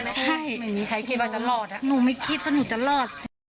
ใช่หนูไม่คิดว่าหนูจะรอดไม่มีใครคิดว่าจะรอด